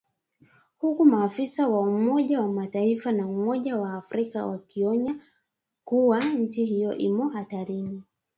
huku maafisa wa Umoja wa Mataifa na Umoja wa Afrika wakionya kuwa nchi hiyo imo hatarini